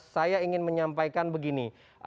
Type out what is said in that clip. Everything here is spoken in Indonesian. saya ingin menyampaikan begini